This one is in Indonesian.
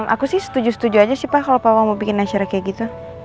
aku sih setuju setuju aja sih papa kalo papa mau bikin nasyarak kayak gitu